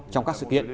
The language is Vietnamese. trong các sự kiện